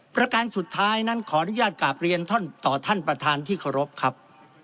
ประการสุดท้ายนั้นขออนุญาตกราบเรียนต่อท่านประธานที่เคารพครับ